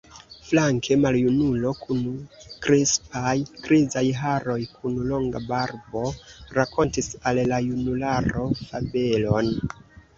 Flanke maljunulo kun krispaj grizaj haroj, kun longa barbo rakontis al la junularo fabelon.